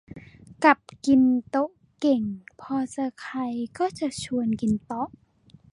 กับกินโต๊ะเก่ง พอเจอใครก็จะชวนกินโต๊ะ